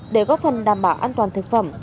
để góp phần đảm bảo an toàn thực phẩm